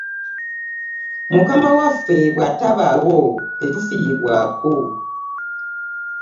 Mukama waffe bw'atabaawo tetufiibwako.